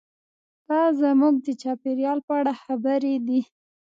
دا زموږ د چاپیریال په اړه خبرې دي.